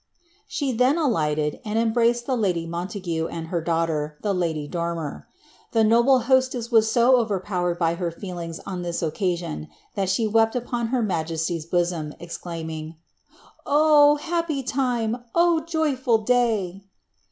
She then alighted, and embraced the lady Montague and her daughter, the lady Dormer. The noble hostess was so overpowered by her feelings 00 this occasion, that she wept upon her majesty's bosom, exclaiming, *'0h! happy time! — oh! joyful day."